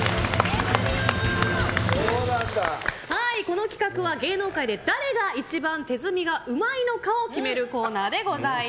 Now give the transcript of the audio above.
この企画は芸能界で誰が一番手積みがうまいのかを決めるコーナーです。